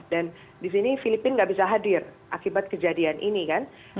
di sini filipina nggak bisa hadir akibat kejadian ini kan